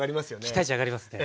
期待値上がりますね。